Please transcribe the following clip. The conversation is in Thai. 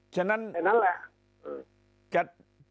ฉะนั้นแหละ